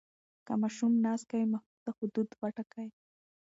که ماشوم ناز کوي، محدوده حدود وټاکئ.